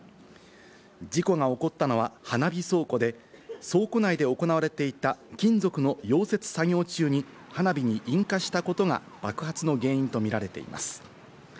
事故が起こったのは、花火倉庫で倉庫内で行われていた金属の溶接作業中に花火に引火したことが爆発の原因と見られています。